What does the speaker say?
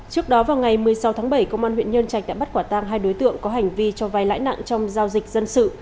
trước đó vào ngày một mươi sáu tháng bảy công an huyện nhân trạch đã bắt quả tang hai đối tượng có hành vi cho vai lãi nặng trong giao dịch dân sự